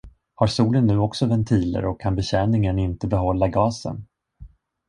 Har solen nu också ventiler och kan betjäningen inte behålla gasen?